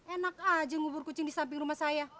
enak aja ngubur kucing di samping rumah saya